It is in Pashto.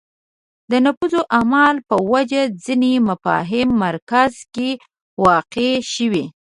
د نفوذ اعمال په وجه ځینې مفاهیم مرکز کې واقع شوې